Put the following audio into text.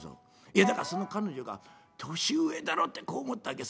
いやだからその彼女が年上だろってこう思ったわけ。